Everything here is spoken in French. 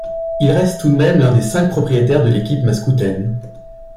Il reste tout de même l'un des cinq propriétaires de l'équipe maskoutaine.